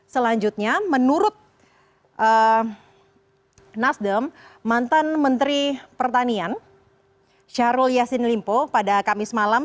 selanjutnya menurut nasdem mantan menteri pertanian syahrul yassin limpo pada kamis malam